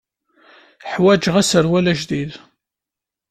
Ḥwaǧeɣ aserwal ajdid.